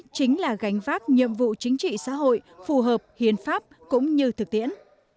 chính là gánh vác nhiệm vụ chính trị xã hội phù hợp hiến pháp cũng như thực tiễn